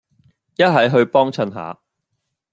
一係去幫襯下